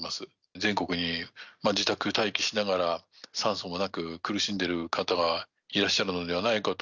全国に自宅待機しながら、酸素もなく、苦しんでる方がいらっしゃるのではないかと。